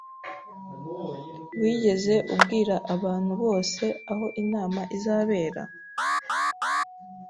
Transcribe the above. Wigeze ubwira abantu bose aho inama izabera?